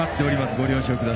ご了承ください。